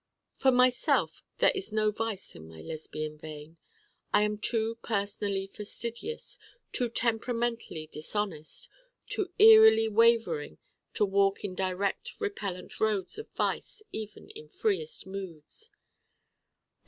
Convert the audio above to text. For myself, there is no vice in my Lesbian vein. I am too personally fastidious, too temperamentally dishonest, too eerily wavering to walk in direct repellent roads of vice even in freest moods.